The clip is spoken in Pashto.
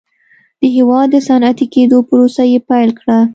د هېواد د صنعتي کېدو پروسه یې پیل کړه.